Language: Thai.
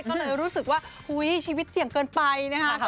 ก็มันรู้สึกว่าอุ๊ยชีวิตเจียงเกินไปนะครับ